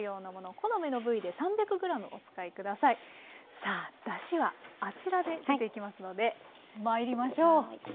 さあだしはあちらで出ていきますので参りましょう。